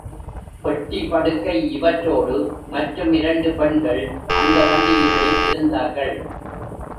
பெட்டி படுக்கை இவற்றோடு மற்றும் இரண்டு பெண்கள் அந்த வண்டியிலே இருந்தார்கள்.